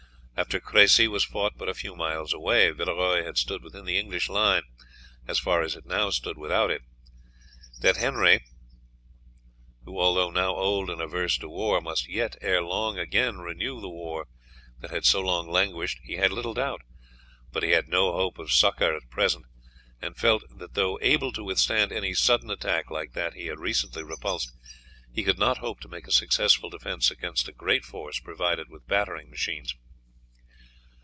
After Cressy was fought, but a few miles away, Villeroy had stood within the English line as far as it now stood without it. That Henry, who although now old and averse to war, must yet ere long again renew the war that had so long languished he had little doubt; but he had no hope of succour at present, and felt that though able to withstand any sudden attack like that he had recently repulsed, he could not hope to make a successful defence against a great force provided with battering machines.